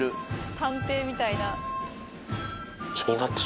探偵みたいな。